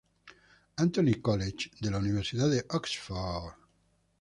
Anthony College de la Universidad de Oxford.